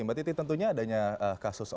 mbak titi tentunya adanya